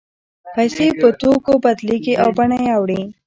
پیسې په توکو بدلېږي او بڼه یې اوړي